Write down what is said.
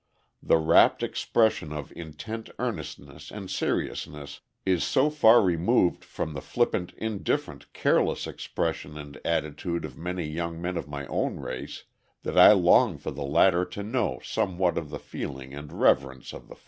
The rapt expression of intent earnestness and seriousness is so far removed from the flippant, indifferent, careless expression and attitude of many young men of my own race that I long for the latter to know somewhat of the feeling and reverence of the former.